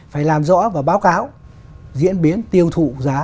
phải làm rõ và báo cáo diễn biến tiêu thụ giá